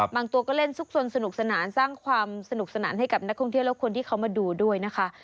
ตัวก็เล่นซุกสนสนุกสนานสร้างความสนุกสนานให้กับนักท่องเที่ยวและคนที่เขามาดูด้วยนะคะ